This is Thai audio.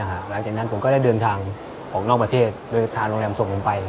หลังจากนั้นผมก็ได้เดินทางออกนอกประเทศโดยทางโรงแรมส่งผมไป